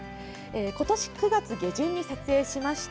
今年９月下旬に撮影しました。